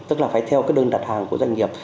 tức là phải theo cái đơn đặt hàng của doanh nghiệp